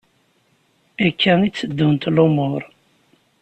Akka i tteddunt lumuṛ.